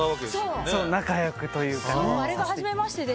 仲良くというかね。